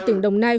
tỉnh đồng nai